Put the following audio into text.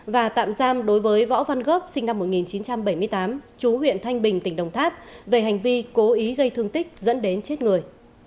và tạm giam đối với võ văn gốc sinh năm một nghìn chín trăm bảy mươi tám chú huyện thanh bình tỉnh đồng tháp về hành vi cố ý gây thương tích dẫn đến chết người